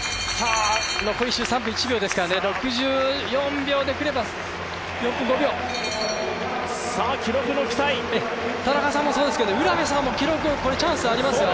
残り３分ですからね、６４秒でくれば田中さんもそうですけど卜部さんもチャンスありますよ。